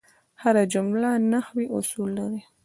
هره جمله نحوي اصول لري.